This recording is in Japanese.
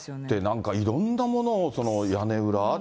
なんかいろんなものを、屋根裏。